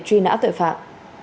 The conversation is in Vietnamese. chuyên mục lệnh truy nã tội phạm